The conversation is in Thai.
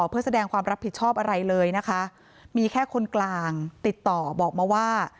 เพื่อแสดงความรับผิดชอบอะไรเลยนะคะมีแค่คนกลางติดต่อบอกมาว่า